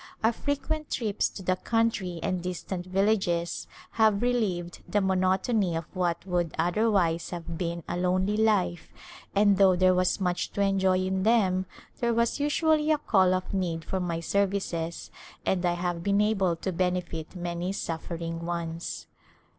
Our frequent trips to the country and distant villages have relieved the monotony of what would otherwise have been a lonely life and though there was much to enjoy in them there was usually a call of need for my services and I have been able to benefit many suffer ing ones.